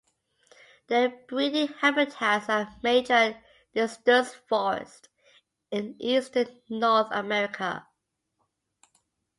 Their breeding habitats are mature deciduous forests in eastern North America.